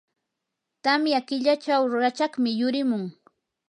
tamya killachaw rachakmi yurimun.